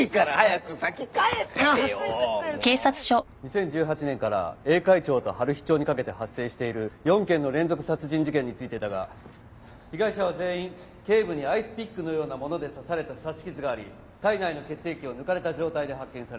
２０１８年から栄海町と春陽町にかけて発生している４件の連続殺人事件についてだが被害者は全員頸部にアイスピックのようなもので刺された刺し傷があり体内の血液を抜かれた状態で発見されている。